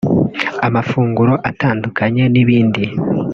amafunguro atandukanye n’ibindi